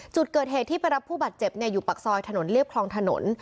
จุดเกิดเหตุที่ไปรับผู้บาดเจ็บอยู่ปากซอยถนนเรียบคลองถนน